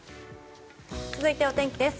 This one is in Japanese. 続いてお天気です。